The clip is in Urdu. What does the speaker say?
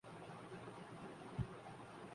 جغرافیہ میں دو مکتب فکر ہیں